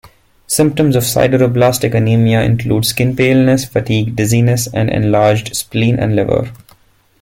Symptoms of sideroblastic anemia include skin paleness, fatigue, dizziness, and enlarged spleen and liver.